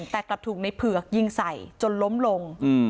แต่กลับถูกในเผือกยิงใส่จนล้มลง